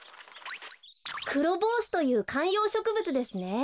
クロボウシというかんようしょくぶつですね。